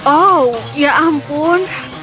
oh ya ampun